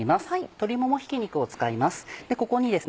鶏ももひき肉を使います